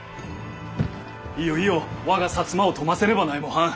いよいよ我が摩を富ませねばないもはん。